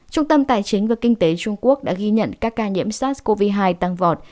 trung tâm tài chính và kinh tế trung quốc đã ghi nhận các ca nhiễm sars cov hai tăng vọt